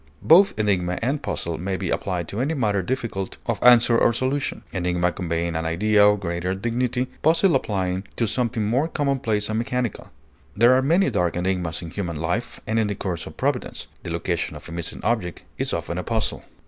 Both enigma and puzzle may be applied to any matter difficult of answer or solution, enigma conveying an idea of greater dignity, puzzle applying to something more commonplace and mechanical; there are many dark enigmas in human life and in the course of providence; the location of a missing object is often a puzzle.